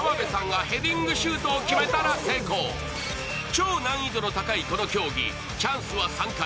超難易度の高いこの競技、チャンスは３回。